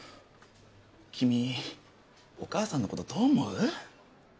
君お母さんのことどう思う？